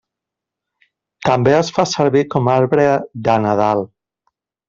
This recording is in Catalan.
També es fa servir com arbre de Nadal.